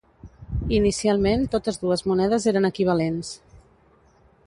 Inicialment totes dues monedes eren equivalents.